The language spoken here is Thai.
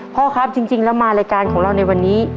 พ่อครับจริงแล้วมารายการของเราในวันนี้